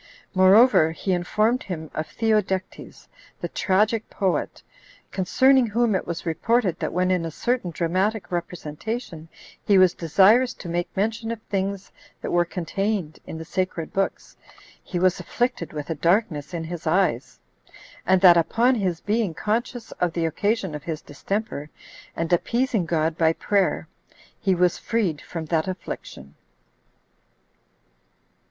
Moreover, he informed him of Theodectes, the tragic poet, concerning whom it was reported, that when in a certain dramatic representation he was desirous to make mention of things that were contained in the sacred books, he was afflicted with a darkness in his eyes; and that upon his being conscious of the occasion of his distemper, and appeasing God [by prayer], he was freed from that affliction.